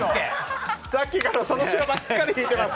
さっきからその白ばっかり引いてます！